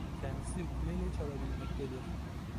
Kendisi ukulele çalabilmektedir.